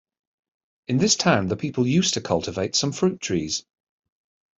In this town the people use to cultivate some fruit trees.